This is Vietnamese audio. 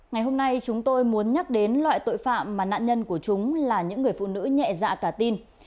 ngày hôm nay chúng tôi muốn nhắc đến loại tội phạm mà nạn nhân của chúng là những người phụ nữ nhẹ dạ cả tin